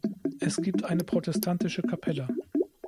Es gibt eine protestantische Kapelle.